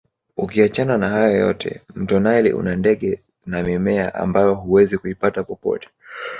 Ukiachana na hayo yote mto naili una ndege na mimea ambayo huwezi kuipata popote